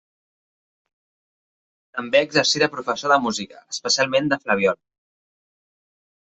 També exercí de professor de música, especialment de flabiol.